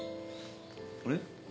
あれ？